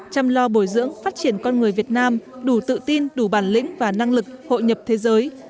chăm lo bồi dưỡng phát triển con người việt nam đủ tự tin đủ bản lĩnh và năng lực hội nhập thế giới